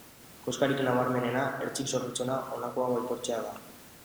Koskarik nabarmenena, ertzik zorrotzena, honako hau aitortzea da.